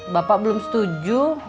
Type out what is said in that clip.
bapak belum setuju